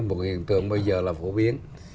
một cái hiện tượng bây giờ là phổ biến